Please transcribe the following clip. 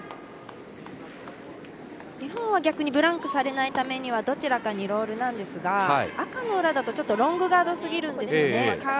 日本は逆にブランクされないためにどちらかにロールなんですが赤の裏だとちょっとロングガードすぎるんですね。